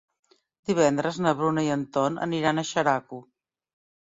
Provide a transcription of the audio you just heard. Divendres na Bruna i en Ton aniran a Xeraco.